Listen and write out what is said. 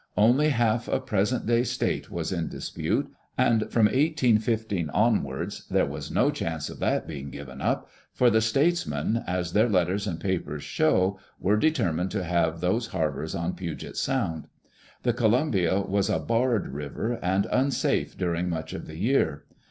Only half a present day state was in dispute, and from 1815 onwards there was no chance of that being given up for the statesmen, as their letters and papers show, were determined to have those harbors on Puget Sound. The Columbia was a " barred river," and unsafe during much of the year.